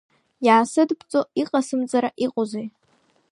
Иаасыдбҵо иҟасымҵара иҟоузеи?